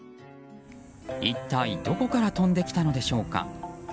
一体どこから飛んできたのでしょうか。